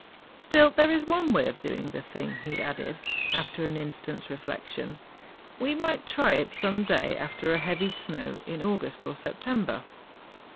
Still there is one way of doing the thing,' he added, after an instant's reflection, ' we might try it some day after a heavy snow, in August or September.